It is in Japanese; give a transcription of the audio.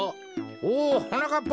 おはなかっぱか。